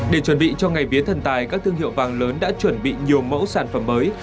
để chuẩn bị cho ngày vía thần tài các thương hiệu vàng lớn đã chuẩn bị nhiều mẫu sản phẩm mới